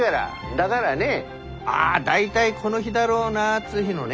だがらねああ大体この日だろうなっつう日のね